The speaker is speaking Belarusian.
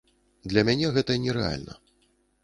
Для мяне гэта нерэальна.